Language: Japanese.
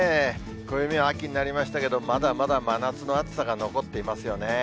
暦は秋になりましたけど、まだまだ真夏の暑さが残っていますよね。